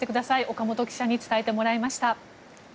岡本記者に伝えてもらいました。